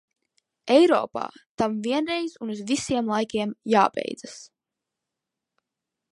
Eiropā tam vienreiz un uz visiem laikiem jābeidzas!